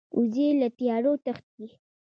وزې له تیارو تښتي